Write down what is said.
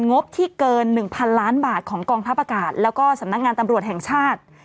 งบที่เกิน๑๐๐๐ล้านบาทของกองทัพอากาศแล้วก็สำนักงานตำรวจแห่งชาติ